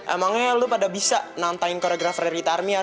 emangnya lo pada bisa nantain koreografer ritar miar